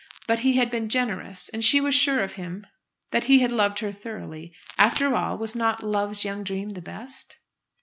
But he had been generous, and she was sure of him that he had loved her thoroughly. After all, was not "Love's young dream" the best?